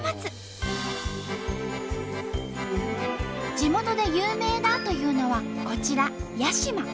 地元で有名だというのはこちら屋島。